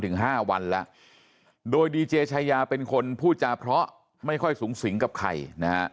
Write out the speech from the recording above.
ถึงห้าวันแล้วโดยดีเจชายาเป็นคนพูดจาเพราะไม่ค่อยสูงสิงกับใครนะฮะ